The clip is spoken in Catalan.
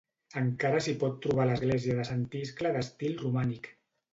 Encara s'hi pot trobar l'església de Sant Iscle d'estil romànic.